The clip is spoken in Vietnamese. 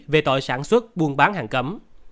về tội sản xuất buôn bán hàng cấm